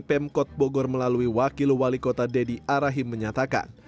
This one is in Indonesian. pemkot bogor melalui wakil wali kota deddy arahim menyatakan